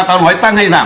ta nói tăng hay giảm